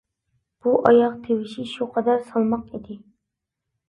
بۇ ئاياغ تىۋىشى شۇ قەدەر سالماق ئىدى.